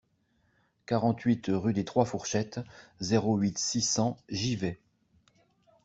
quarante-huit rue des trois Fourchettes, zéro huit, six cents, Givet